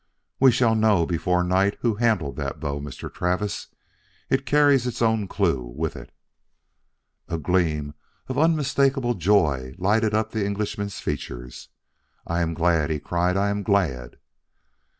"We shall know before night who handled that bow, Mr. Travis. It carries its own clue with it." A gleam of unmistakable joy lighted up the Englishman's features. "I am glad," he cried. "I am glad."